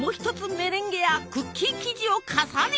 メレンゲやクッキー生地を重ね焼き！